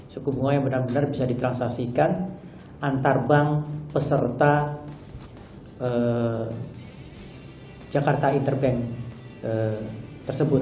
suku bunga yang benar benar bisa ditransaksikan antarbank peserta jakarta interbank tersebut